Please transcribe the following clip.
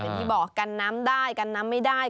อย่างที่บอกกันน้ำได้กันน้ำไม่ได้